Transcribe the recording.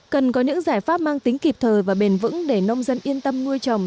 cần có những giải pháp mang tính kịp thời và bền vững để nông dân yên tâm nuôi trồng